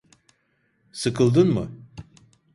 Sıkıldın mı?